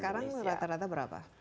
sekarang rata rata berapa